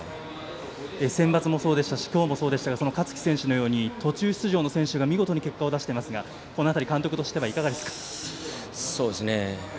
センバツもそうでしたし今日もそうですが勝木選手のように途中出場の選手が見事に結果を出していますがこの辺り、監督としてはいかがですか？